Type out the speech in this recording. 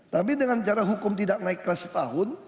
tapi dengan cara hukum tidak naik kelas setahun